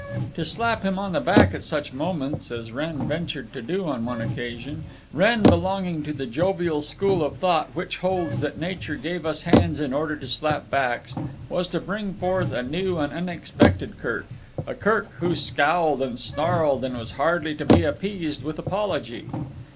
To slap him on the back at such moments, as Wren ventured to do on one occasion, Wren belonging to the jovial school of thought which holds that nature gave us hands in order to slap backs, was to bring forth a new and unexpected Kirk, a Kirk who scowled and snarled and was hardly to be appeased with apology.